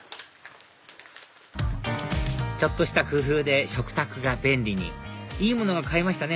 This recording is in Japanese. ちょっとした工夫で食卓が便利にいいものが買えましたね